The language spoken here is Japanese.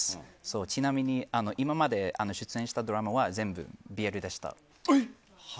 ちなみに今まで出演したドラマは全部ＢＬでした。